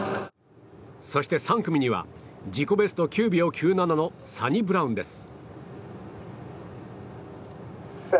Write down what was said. そして３組には自己ベスト９秒９７のサニブラウンです。